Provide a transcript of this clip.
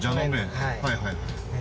はいはい。